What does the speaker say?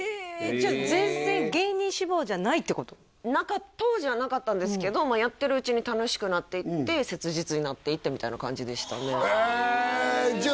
じゃあ全然当時はなかったんですけどまあやってるうちに楽しくなっていって切実になっていってみたいな感じでしたねはあ！